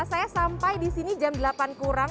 saya sampai disini jam delapan kurang